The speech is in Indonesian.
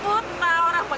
itu yang dibakar apa